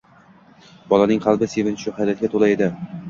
Bolaning qalbi sevinchu hayratga toʻla edi